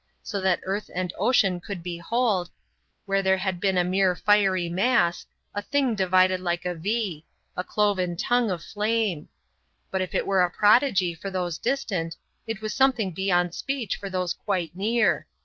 So that earth and ocean could behold, where there had been a mere fiery mass, a thing divided like a V a cloven tongue of flame. But if it were a prodigy for those distant, it was something beyond speech for those quite near.